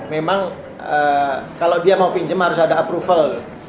memang kalau dia mau pinjam harus ada approval